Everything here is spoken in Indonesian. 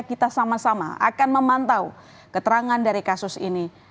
kita sama sama akan memantau keterangan dari kasus ini